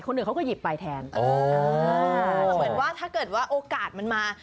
อื่นเขาก็หยิบไปแทนเหมือนว่าถ้าเกิดว่าโอกาสมันมา